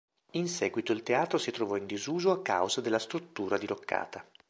In seguito il teatro si trovò in disuso a causa della struttura diroccata.